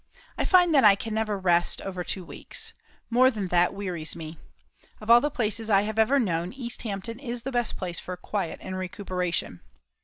I find that I can never rest over two weeks. More than that wearies me. Of all the places I have ever known East Hampton is the best place for quiet and recuperation.